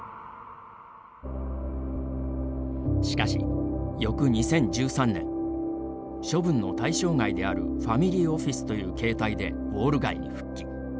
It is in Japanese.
しかし、翌２０１３年処分の対象外であるファミリーオフィスという形態でウォール街に復帰。